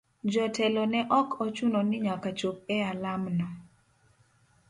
Jo telo ne ok ochuno ni nyaka chop e alam no.